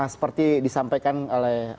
seperti disampaikan oleh